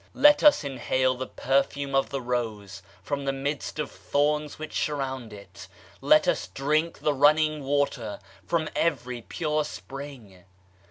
Let us inhale the perfume of the Rose from the midst of thorns which surround it ; let us drink the running water from every pure Spring.